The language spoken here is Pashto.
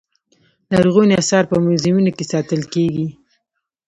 لرغوني اثار په موزیمونو کې ساتل کېږي.